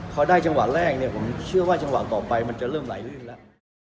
พอได้จังหวะแรกเนี่ยผมเชื่อว่าจังหวะต่อไปมันจะเริ่มไหลลื่นแล้ว